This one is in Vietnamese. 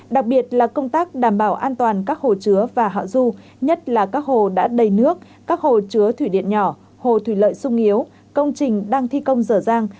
đặc biệt là công tác đảm bảo an toàn các hồ chứa và hạ du nhất là các hồ đã đầy nước các hồ chứa thủy điện nhỏ hồ thủy lợi sung yếu công trình đang thi công dở dàng